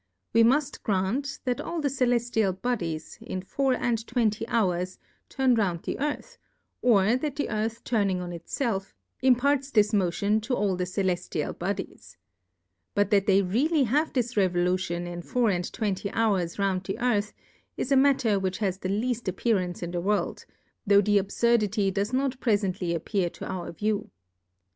We muft grant, that all the Celeftial Bodies, in four and twenty Hours, turn round the Earth, or that the Earth turning on it felf, im parts this Motion to all the Celeftial Bodies, But that they really have this Revolution in four and twenty Hours round the Earth, is a Matter which has the learft Appearance in the World, tho' the Abfurdity does not prefently appear to our View.